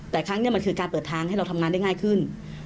แต่ครั้งนี้มันคือการเปิดทางให้เราทำงานได้ง่ายขึ้น